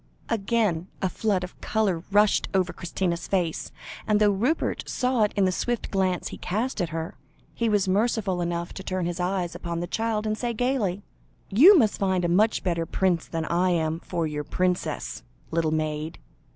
Again a flood of colour rushed over Christina's face, and though Rupert saw it in the swift glance he cast at her, he was merciful enough to turn his eyes upon the child, and say gaily "You must find a much better prince than I am for your princess, little maid.